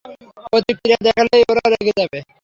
প্রতিক্রিয়া দেখালেই ওরা রেগে যাবে!